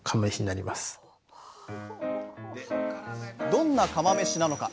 どんな釜めしなのか？